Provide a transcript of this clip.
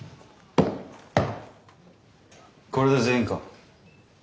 これで全員か？